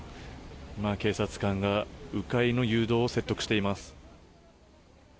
警察官が迂回の誘導を説得しています。